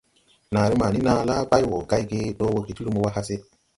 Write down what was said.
Naaré ma ni naa la bay wo gay ge do woge ti lumo wa hase.